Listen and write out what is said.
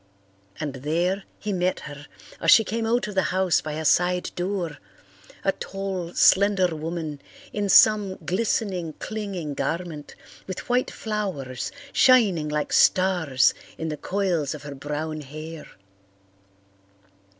And there he met her, as she came out of the house by a side door, a tall, slender woman in some glistening, clinging garment, with white flowers shining like stars in the coils of her brown hair.